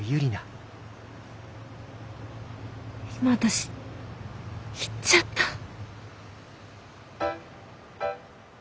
今私言っちゃった！？